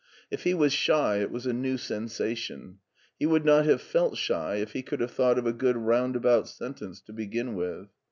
If he was shy it was a new sensation. He would not have felt shy if he could have thought of a good roundabout sen tence to begin with.